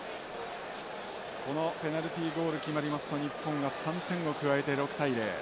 このペナルティーゴール決まりますと日本が３点を加えて６対０。